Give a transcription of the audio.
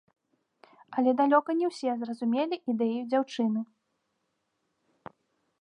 Але далёка на ўсе зразумелі ідэю дзяўчыны.